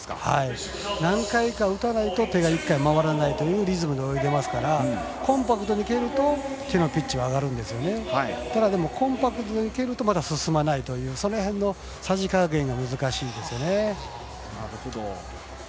何回か打たないと手が１回回らないというリズムで泳いでいるのでコンパクトに切るとピッチが上がりますがただ、コンパクトに蹴ると進まないというその辺のさじ加減が難しいです。